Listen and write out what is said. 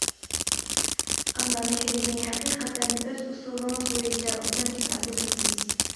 ئانا مېھرىنى ھەقىقەتەن ئۆز ئۇسۇلىڭىز بويىچە ئوبدان ئىپادىلەپسىز.